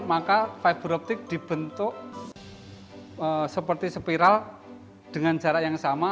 maka fiberoptik dibentuk seperti spiral dengan jarak yang sama